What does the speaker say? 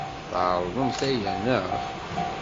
Tɛerḍemt aya, naɣ?